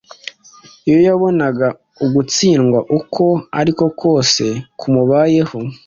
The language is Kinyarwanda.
iyo yabonaga ugutsindwa uko ari ko kose kumubayeho